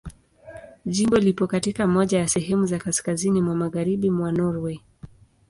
Jimbo lipo katika moja ya sehemu za kaskazini mwa Magharibi mwa Norwei.